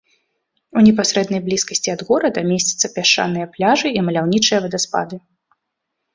У непасрэднай блізкасці ад горада месцяцца пясчаныя пляжы і маляўнічыя вадаспады.